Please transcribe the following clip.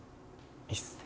いいですね。